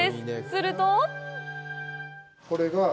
すると。